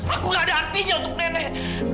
aku gak ada artinya untuk nenek